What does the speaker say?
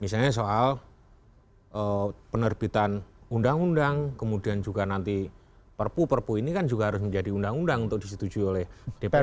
misalnya soal penerbitan undang undang kemudian juga nanti perpu perpu ini kan juga harus menjadi undang undang untuk disetujui oleh dpr